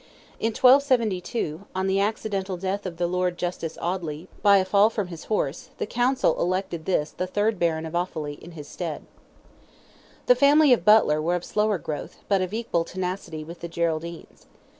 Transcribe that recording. In 1272, on the accidental death of the Lord Justice Audley, by a fall from his horse, "the council" elected this the third Baron of Offally in his stead. The family of Butler were of slower growth, but of equal tenacity with the Geraldines.